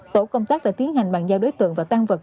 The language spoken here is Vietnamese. tổ công tác đã tiến hành bàn giao đối tượng và tan vật